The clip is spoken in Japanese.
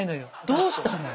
どうしたの？